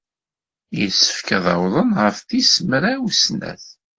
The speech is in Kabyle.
Yessefk ad awḍen ɣef tis mraw snat.